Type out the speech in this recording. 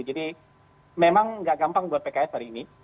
jadi memang tidak gampang buat pks hari ini